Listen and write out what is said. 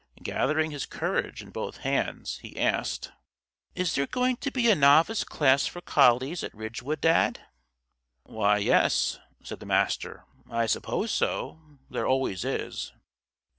Gathering his courage in both hands, he asked: "Is there going to be a Novice Class for collies at Ridgewood, Dad?" "Why, yes," said the Master, "I suppose so. There always is."